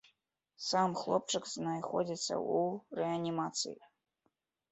Сам хлопчык знаходзіцца ў рэанімацыі.